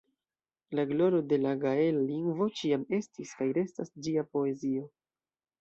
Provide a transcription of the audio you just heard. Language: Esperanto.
La gloro de la gaela lingvo ĉiam estis, kaj restas, ĝia poezio.